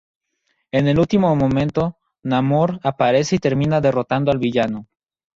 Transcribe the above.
En el último momento Namor aparece y termina derrotando al villano.